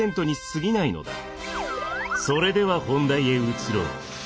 それでは本題へ移ろう。